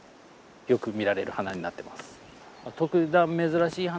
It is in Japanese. よく見られる花になってます。